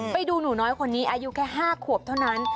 ไปดูหนูน้อยคนนี้อายุแค่๕ขวบเท่านั้น